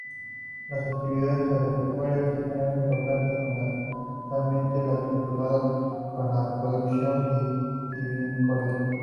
Las actividades agropecuarias tienen gran importancia, fundamentalmente las vinculadas con la producción vitivinícola.